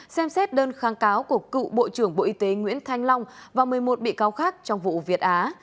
xem xét đơn kháng cáo của cựu bộ trưởng bộ y tế nguyễn thanh long và một mươi một bị cáo khác trong vụ việt á